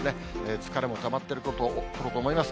疲れもたまっていることと思います。